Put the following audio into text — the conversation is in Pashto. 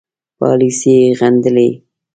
پالیسي یې غندلې.